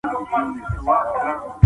ملتونه ولي د بیان ازادي خوندي کوي؟